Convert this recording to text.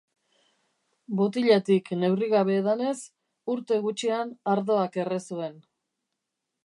Botilatik neurri gabe edanez urte gutxian ardoak erre zuen.